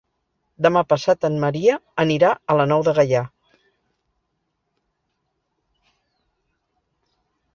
Demà passat en Maria anirà a la Nou de Gaià.